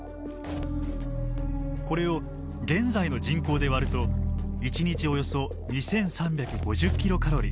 これを現在の人口で割ると１日およそ２，３５０ｋｃａｌ。